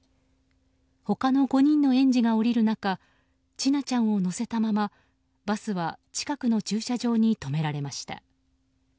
他の５人の園児が降りる中千奈ちゃんを乗せたままバスは近くの駐車場に止められました。